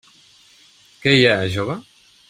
Què hi ha, jove?